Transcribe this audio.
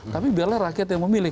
tapi biarlah rakyat yang memilih